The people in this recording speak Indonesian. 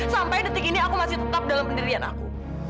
sampai detik ini aku masih tetap dalam pendirian aku